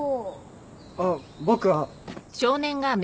あっ僕は。